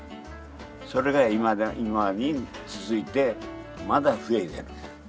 それが今に続いてまだ増えてる。